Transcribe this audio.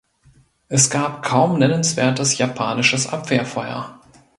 Es gab kaum nennenswertes japanisches Abwehrfeuer.